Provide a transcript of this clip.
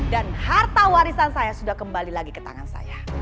dan harta warisan saya sudah kembali lagi ke tangan saya